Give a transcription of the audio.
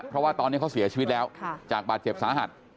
เพราะว่าตอนนี้เขาเสียชีวิตแล้วจากบาดเจ็บสาหัส